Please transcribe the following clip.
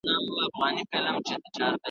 اعلان یې کړی پر ټوله ښار دی ,